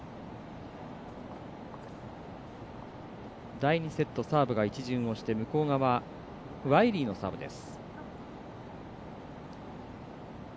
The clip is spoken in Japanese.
第２セットサーブが一巡をしてワイリーのサーブです。